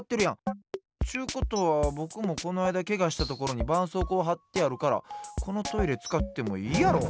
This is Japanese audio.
ちゅうことはぼくもこのあいだけがしたところにばんそうこうはってあるからこのトイレつかってもいいやろ！